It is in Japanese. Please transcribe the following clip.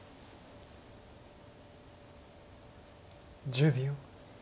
１０秒。